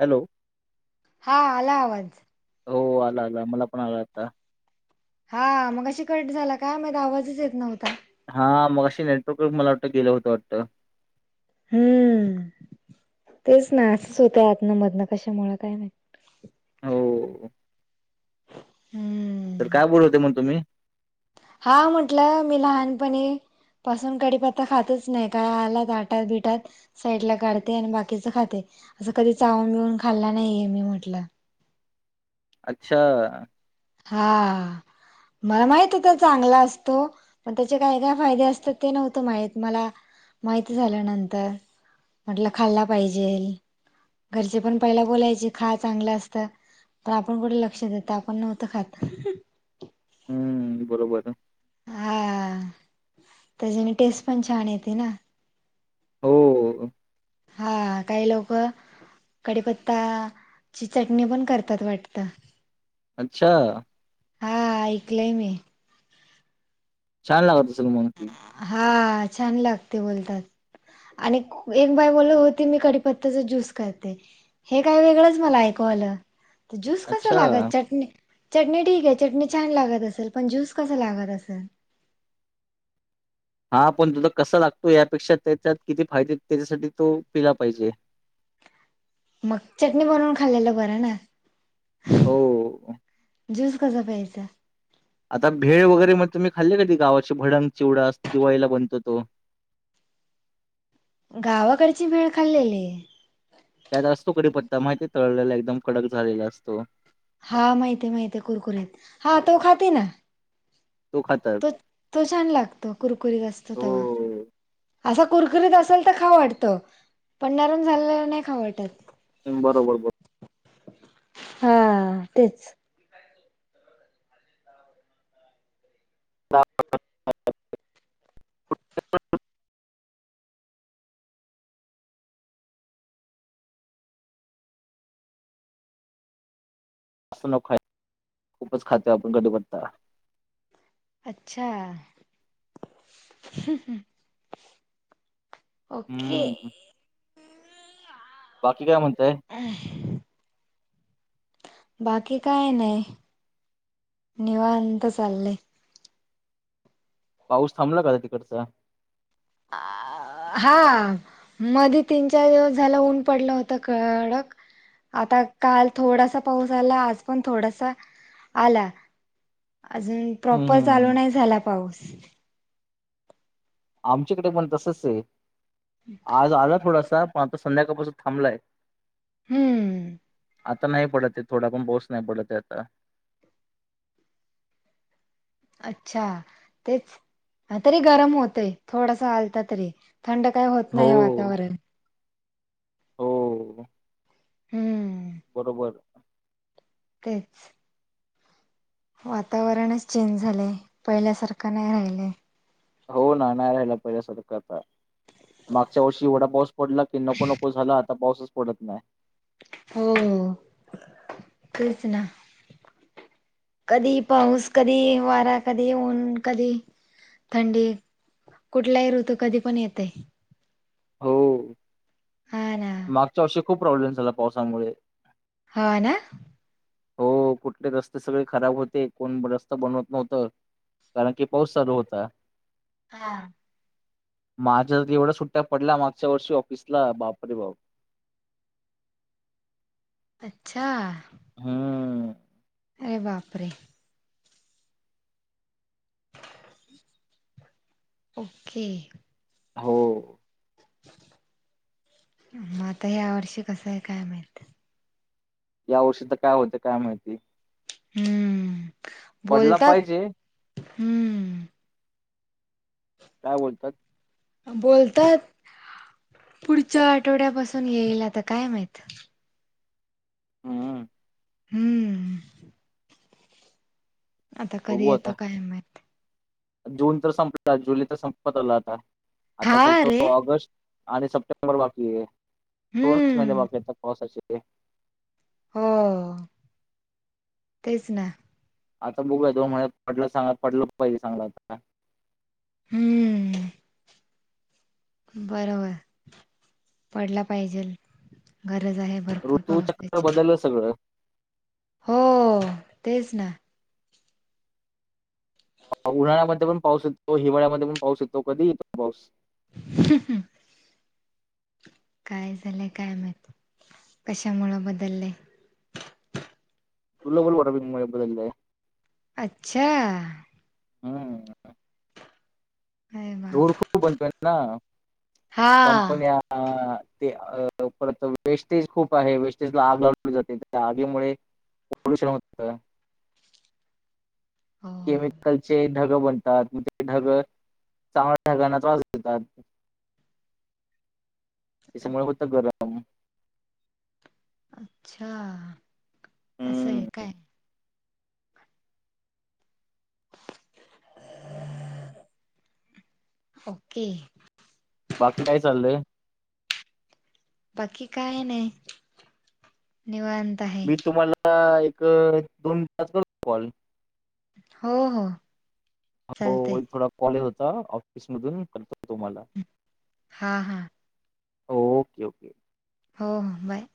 Hello हा आला आवाज हो आला आला मला पण आला आता हा मगाशी कट झाला का माझा आवाजच येत नव्हता हा मगाशी नेटवर्क मला वाटतं गेलं होतं वाटतं हम्म तेच ना असच होत आधन मधन कशामुळें काय माहित हो हम्म तर काय बोलवते मग तुम्ही हा म्हटलं मी लहानपणी पासून कडी पत्ता खातच नाही काय आल ताटात बिटात साईड ला काढते आणि बाकीच खाते असं कधी चावून बिऊून खाल्ला नाहीये मी म्हटलं अच्छा हा मला माहित होत चांगला असतो मग त्याचे काय काय फायदे असतात ते नव्हतं माहीत मला माहिती झाल्यानंतर म्हटलं खाल्ला पाहिजे घरचे पण पहिला बोलायचे खा चांगलं असतं पण आपण कुठे लक्ष देत आपण नव्हत तर खात [unintelligible] हम्म बरोबर आहे हा त्याच्याने टेस्ट पण छान येते ना हो हा काही लोक कडीपत्ताची चटणी पण करतात वाटतं अच्छा हा ऐकलंय मी छान लागत असल मग ती. हा छान लागते बोलतात आणि एक बाई बोली होती मी कडीपत्त्याचा ज्यूस करते हे काही वेगळंच मला ऐकू आलं तर ज्यूस कस अच्छा. लागत चटणी चटणी ठीक आहे चटणी छान लागत असेल पण ज्यूस कसा लागत असेल? हा पण तुला कसा लागतो यापेक्षा त्याच्यात किती फायदे त्याच्यासाठी तो पिला पाहिजे. मग चटणी बनवून खाल्लेलं बरं ना हो ज्यूस कसा प्यायचा? आता भेळ वगैरे मग तुम्ही खाल्ली नाही का ती गावाची भडंग चिवढा दिवाळीला बनतो तो गावाकडची भेळ खाल्लेली आहे. त्यात असतो कडीपत्ता माहितीय तळलेला एकदम कडक झालेला असतो हा माहित आहे माहित आहे कुरकुरीत हा तो खाते ना तो खात [unintelligible] तो छान लागतो कुरकुरीत असतो तवा हो. असा कुरकुरीत असेल तर खावू वाटतो पंण नरम झालेला नाही खावू वाटत बरोबर बरोर हा तेच ह [unintelligible] अस खाय खूपच खाते आपण कडीपत्ता अच्छा ओके हम्म हम् बाकी काय म्हणताय? अं [unintelligible] बाकी काय नाही निवांत चाललय. पाऊस थांबला का तिकडचा? अ हा. मधी तीन चार दिवस झाला ऊन पडलं होत कडक. आता काल थोडासा पाऊस आला आज पण थोडासा आला. अजून हम्म प्रॉपर हम्म चालू नाही झाला पाऊस. आमच्याकडे पण तसच आहे आज आला थोडासा पण आता संध्याकाळपासून थांबलाय. हम्म. आता नाही पडत आहे थोडा पण पाऊस नाही पडत आता अच्छा तेच तरी गरम होतय थोडस आलता तरी थंड काय होत हो नाहीये वातावरण हो हम्म बरोबर. तेच, वातावरणच चेंज झालेय पहिल्यासारखं नाही राहिलंय. हो ना नाही राहायला पहिल्यासारखं आता मागच्या वर्षी एवढा पाऊस पडला की नको नको झाला आता पाऊसच पडत नाही. हो हो तेच ना, कधी पाऊस, कधी वारा, कधी ऊन, कधी थंडी, कुठलाही ऋतू कधी पण येतय. हो. हा ना, मागच्या वर्षी खूप प्रॉब्लेम झाला पावसामुळे हो ना, हो कुठले रस्ते सगळे खराब होते कोण रस्ता बनवत नव्हतं. कारण की पाऊस चालू होता. हा माझ्याच एवढा सुट्ट्या पडल्या मागच्या वर्षी ऑफिसला बापरे बाप अच्छा. हम्म अरे बापरे, ओके. हो. मग आता ह्या वर्षी कसं आहे काय माहित? या वर्षी तर काय होते काय माहिती हम्म पडला बोलतात पाहिजे हम्म. काय बोलतात? बोलतात पुढच्या आठवड्यापासून येईल तर काय माहित हम्म. हम्म. आता कधी बघू येतो आता. काय माहित. जून तर संपला, जुलै तर संपत आला आता, आता हा फक्त रे ऑगस्ट आणि सप्टेंबर बाकी आहे. दोनच महिने हम्म बाकी आता पावसाचे हो तेच ना, आता बघूय तो म्हण पटलं सांग पटलं पहि सांगला. हम्म. बरोबर पडला पाहिजेल गरज आहे. भरपूर ऋतू चक्र पावसाची बदललं सगळं हो तेच ना, उन्हाळ्यामध्ये पण पाऊस येतो, हिवाळ्यामध्ये पण पाऊस येतो, कधी येतो पाऊस ह काय झालंय काय माहित कशामुळं बदललेय. तुलोल वार म एले [unintelligible] [inaudible] अच्छा हं अरे दोर बाप खुप बनतोय ना हा कंपन्या ते परत वेस्टेज खूप आहे वेस्टेज ला आग लावली जाते त्या आगीमुळे पोल्युशन होतं हो केमिकलचे ढगं बनतात मग ते ढगं चांगल्या ढगाना त्रास देतात. त्याच्यामुळे होतर अच्छा! असंय हम्म काय [inaudible] ओके बाकी काय चाललंय? बाकी काय नाय निवांत- आहे मी तुम्हाला एक दोन तास करु का कॉल? हो हो चालतंय हो थोडा कॉल येत होता ऑफिस मधून करतो तुम्हाला मल हां हां ओके ओके हो हो बाय